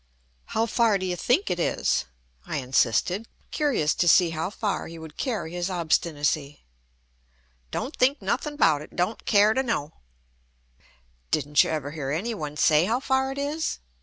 "How far do you think it is?" I insisted, curious to see how far he would carry his obstinacy. "Don' think nuthin' 'bout 't; don' care t' know." "Didn't you ever hear any one say how far it is?"